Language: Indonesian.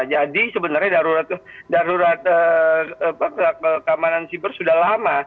jadi sebenarnya darurat keamanan siber sudah lama